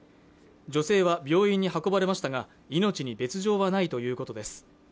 女性は病院に運ばれましたが命に別状はないということです